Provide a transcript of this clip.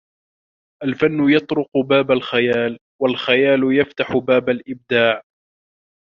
الفن يطرق باب الخيال، و الخيال يفتح باب الإبداع